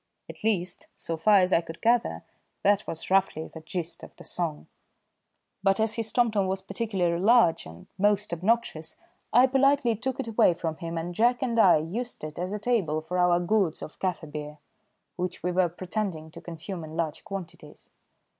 At least, so far as I could gather that was roughly the gist of the song; but as his tomtom was particularly large and most obnoxious I politely took it away from him, and Jack and I used it as a table for our gourds of kaffir beer, which we were pretending to consume in large quantities.